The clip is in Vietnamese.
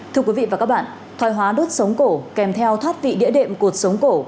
thưa quý vị và các bạn thoai hóa đốt sống cổ kèm theo thoát vị địa đệm cuộc sống cổ